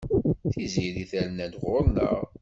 Tiziri terna-d ɣur-neɣ.